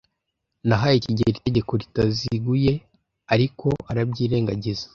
Nahaye kigeli itegeko ritaziguye, ariko arabyirengagiza.